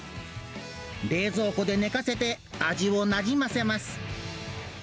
冷蔵庫で寝かせて、味をなじませます。